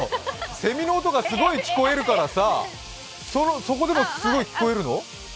せみの音がすごい聞こえるからさ、そこでもすごい聞こえるの？